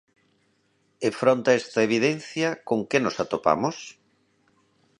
E fronte a esta evidencia, ¿con que nos atopamos?